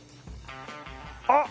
あっ！